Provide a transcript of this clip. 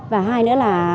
và hai nữa là